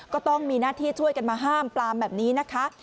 ก็ต้องมีหน้าที่ช่วยกันมาห้ามปลามแบบนี้นะคะ